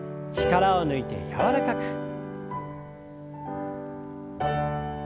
力を抜いて柔らかく。